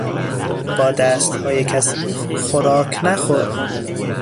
با دستهای کثیف خوراک نخور!